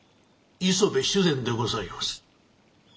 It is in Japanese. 磯部主膳でございます。